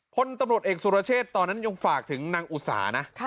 พลตำรวจเอกสุรเชษตอนนั้นยังฝากถึงนางอุสานะ